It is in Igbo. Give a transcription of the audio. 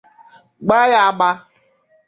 gbaa ya agbaa